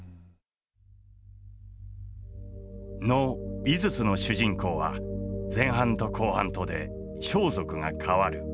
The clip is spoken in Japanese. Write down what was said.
能「井筒」の主人公は前半と後半とで装束が替わる。